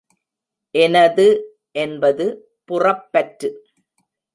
எனது என்பது புறப்பற்று.